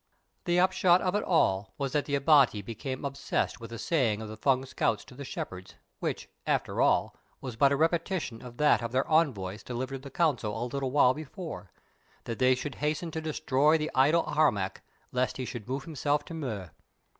The upshot of it all was that the Abati became obsessed with the saying of the Fung scouts to the shepherds, which, after all, was but a repetition of that of their envoys delivered to the Council a little while before: that they should hasten to destroy the idol Harmac, lest he should move himself to Mur.